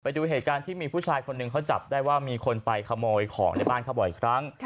ดูเหตุการณ์ที่มีผู้ชายคนหนึ่งเขาจับได้ว่ามีคนไปขโมยของในบ้านเขาบ่อยครั้ง